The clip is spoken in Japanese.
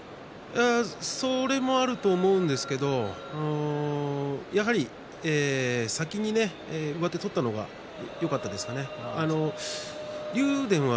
それもあると思うんですけれど、やはり先に上手を取ったのがよかったですかね。